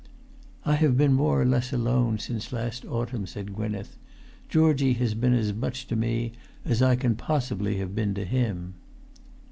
"I have been more or less alone since last autumn," said Gwynneth. "Georgie has been as much to me as I can possibly have been to him."